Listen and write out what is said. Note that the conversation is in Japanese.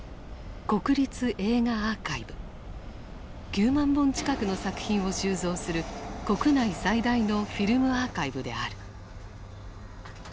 ９万本近くの作品を収蔵する国内最大のフィルムアーカイブである。